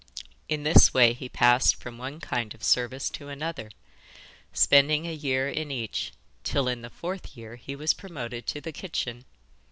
In this way he passed from one kind of service to another, spending a year in each, till in the fourth year he was promoted to the kitchen.